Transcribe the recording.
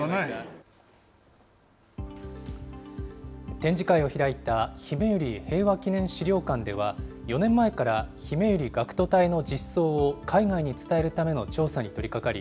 展示会を開いたひめゆり平和祈念資料館では、４年前から、ひめゆり学徒隊のじっそうを海外に伝えるための調査に取りかかり、